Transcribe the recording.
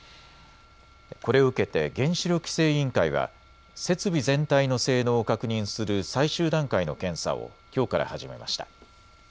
これを受けて原子力規制委員会は設備全体の性能を確認する最終段階の検査をきょうから始めました。